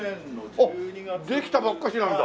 あっできたばっかりなんだ。